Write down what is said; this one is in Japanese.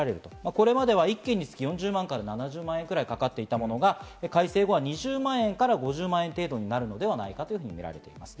これまでは１件につき４０万から７０万ぐらいかかっていたものが、改正後は２０万から５０万程度になるのではないかと見られています。